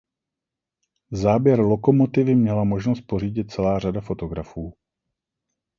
Záběr lokomotivy měla možnost pořídit celá řada fotografů.